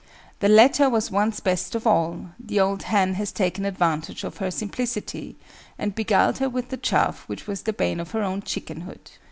The latter was once best of all; the Old Hen has taken advantage of her simplicity, and beguiled her with the chaff which was the bane of her own chickenhood.